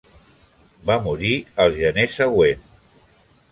Va morir el gener següent.